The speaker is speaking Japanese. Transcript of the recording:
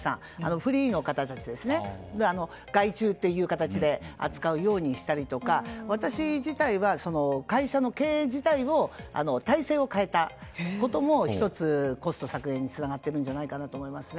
フリーの方たちは外注という形で扱うようにしたりとか私自体は会社の経営自体の体制を変えたことも１つコスト削減につながっているんじゃないかなと思いますね。